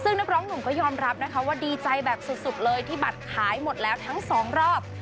ซึ่งนักร้องหนุ่มก็ยอมรับนะคะว่าดีใจแบบสุดเลยที่บัตรขายหมดแล้วทั้งสองรอบ